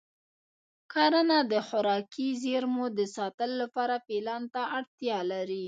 کرنه د خوراکي زېرمو د ساتلو لپاره پلان ته اړتیا لري.